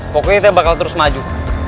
pokoknya kita bakal terus maju